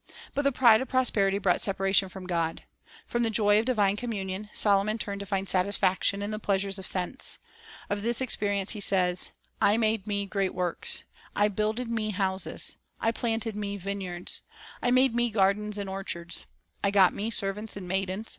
But the pride of prosperity brought separa tion from God. From the joy of divine communion Solomon turned to find satisfaction in the pleasures of sense. Of this experience he says: — "I made me great works; I builded me houses; I rhc Fr,de ° of Prosperity planted me vineyards; I made me gardens and orchards; I got me servants and maidens